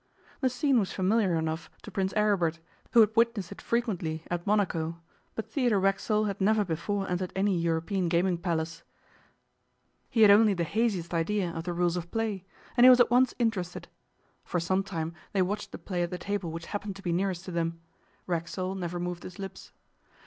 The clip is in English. The scene was familiar enough to Prince Aribert, who had witnessed it frequently at Monaco, but Theodore Racksole had never before entered any European gaming palace; he had only the haziest idea of the rules of play, and he was at once interested. For some time they watched the play at the table which happened to be nearest to them. Racksole never moved his lips.